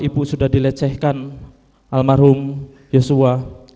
ibu sudah dilecehkan almarhum yosua